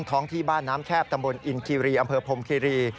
ท้องที่บ้านน้ำแคบตำบลอินคีรีอำเภอพรมคีรี